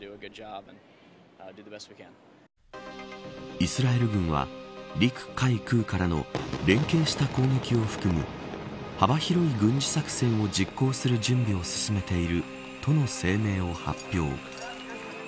イスラエル軍は陸海空からの連携した攻撃を含む幅広い軍事作戦を実行する準備を進めている、との声明を発表。